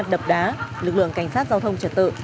đập đá lực lượng cảnh sát giao thông trật tự